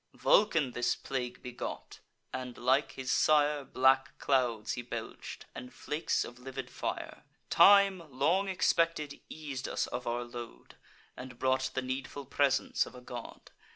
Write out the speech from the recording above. Vulcan this plague begot; and, like his sire, Black clouds he belch'd, and flakes of livid fire. Time, long expected, eas'd us of our load, And brought the needful presence of a god.